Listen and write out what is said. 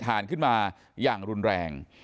ขึ้นมาอย่างรุนแรง